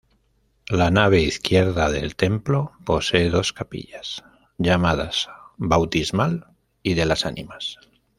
La nave izquierda del templo posee dos capillas, llamadas Bautismal y de las Ánimas.